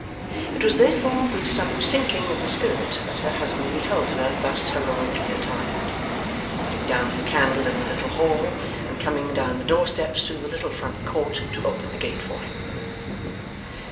It was therefore with some sinking of the spirit that her husband beheld her thus heroically attired, putting down her candle in the little hall, and coming down the doorsteps through the little front court to open the gate for him.